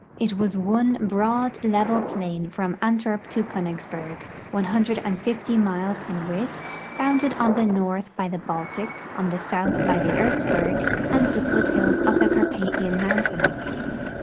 It was one broad, level plain from Antwerp to Konigs berg, 150 miles in width, bounded on the north by the Baltic, on the south by the Erzberg and the foothills of the Carpathian mountains.